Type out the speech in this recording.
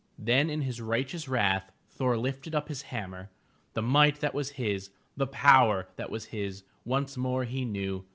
*' Then in his righteous wrath Thor lifted up his hammer. The might that was his, the power that was his, once more he knew.